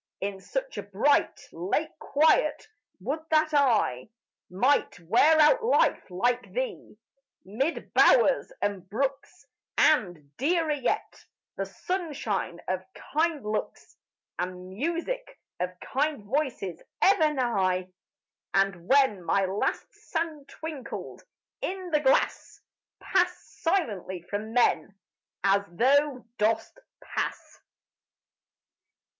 In such a bright, late quiet, would that I Might wear out life like thee, mid bowers and brooks, And, dearer yet, the sunshine of kind looks, And music of kind voices ever nigh; And when my last sand twinkled in the glass, Pass silently from men, as thou dost pass.